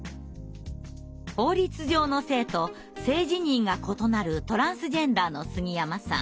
法律上の性と性自認が異なるトランスジェンダーの杉山さん。